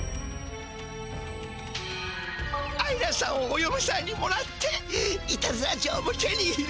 アイラさんをおよめさんにもらっていたずら城も手に入れ。